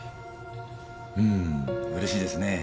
うんうれしいですね。